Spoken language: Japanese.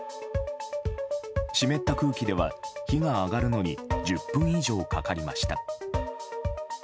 湿った空気では火が上がるのに１０分以上かかりました。